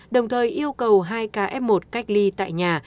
đồng thời yêu cầu hai ca f một cách ly tại nhà